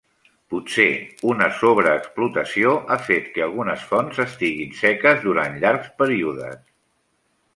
Potser una sobreexplotació ha fet que algunes fonts estiguin seques durant llargs períodes.